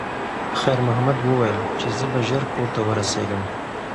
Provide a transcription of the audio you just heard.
خیر محمد وویل چې زه به ژر کور ته ورسیږم.